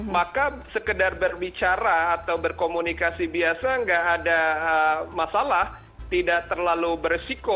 maka sekedar berbicara atau berkomunikasi biasa tidak ada masalah tidak terlalu beresiko